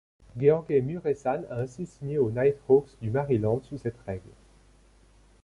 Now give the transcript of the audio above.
Gheorghe Mureșan a ainsi signé aux Nighthawks du Maryland sous cette règle.